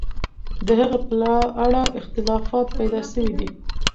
د هغې په اړه اختلاف پیدا سوی دی.